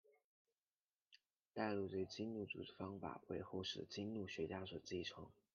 代录这一经录组织方法为后世的经录学家所继承。